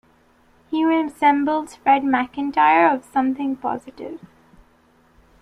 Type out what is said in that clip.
He resembles Fred MacIntire of "Something Positive".